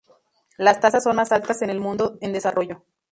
Las tasas son más altas en el mundo en desarrollo.